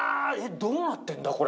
どうなってんだ、これ？